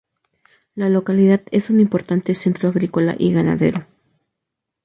La localidad es un importante centro agrícola y ganadero.